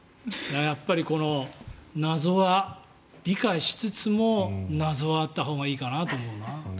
やっぱりこの、理解しつつも謎はあったほうがいいなと思うな。